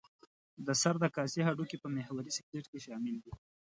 د سر د کاسې هډوکي په محوري سکلېټ کې شامل دي.